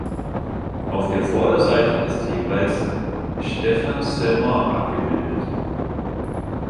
Auf der Vorderseite ist jeweils Ștefan cel Mare abgebildet.